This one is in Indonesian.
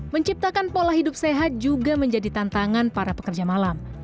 menciptakan pola hidup sehat juga menjadi tantangan para pekerja malam